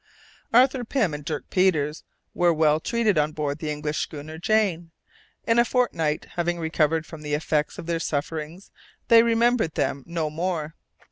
Arthur Pym and Dirk Peters were well treated on board the English schooner Jane. In a fortnight, having recovered from the effects of their sufferings, they remembered them no more.